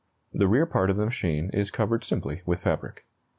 The rear part of the machine is covered simply with fabric.